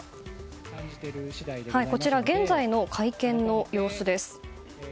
こちら、現在の会見の様子です。